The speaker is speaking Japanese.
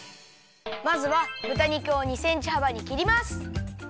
まずはぶた肉を２センチはばにきります。